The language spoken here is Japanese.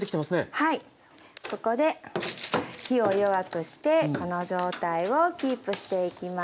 はいここで火を弱くしてこの状態をキープしていきます。